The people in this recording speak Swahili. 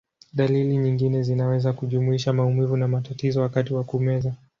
Dalili nyingine zinaweza kujumuisha maumivu na matatizo wakati wa kumeza.